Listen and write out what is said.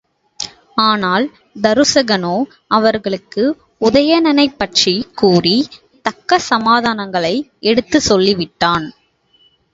ஆனால் தருசகனோ, அவர்களுக்கு உதயணனைப் பற்றிக் கூறித் தக்க சமாதானங்களை எடுத்துச் சொல்லிவிட்டான்.